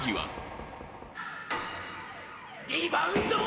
実況：リバウンド！